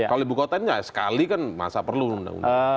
kalau ibu kota ini sekali kan masa perlu undang undang